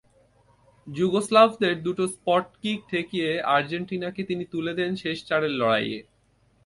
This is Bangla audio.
যুগোস্লাভদের দুটো স্পটকিক ঠেকিয়ে আর্জেন্টিনাকে তিনি তুলে দেন শেষ চারের লড়াইয়ে।